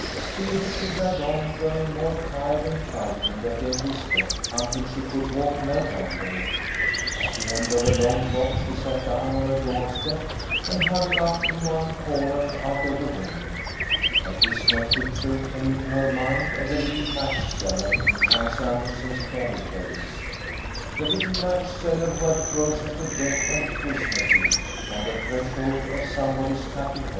Still she dragged on, growing more tired and frightened at every step, until she could walk no longer. At the end of a long block she sat down on a doorstep, and huddled up in one corner out of the wind. A dismal picture came to her mind of the little match seller in Hans Andersen's fairy tales. The little match seller who had frozen to death on Christ mas eve, on the threshold of somebody's happy home.